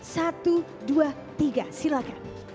satu dua tiga silahkan